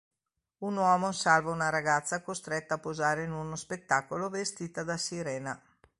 Un uomo salva una ragazza costretta a posare in uno spettacolo vestita da sirena.